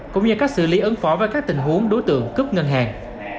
cũng như cách xử lý ứng phó với các tình huống đối tượng cướp ngân hàng